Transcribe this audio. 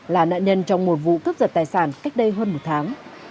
là nạn nhân trong một vụ cướp giật tài sản cách đây hơn một tháng